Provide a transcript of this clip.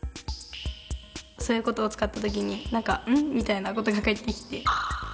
そういう事を使った時に何か「うん？」みたいな事が返ってきて。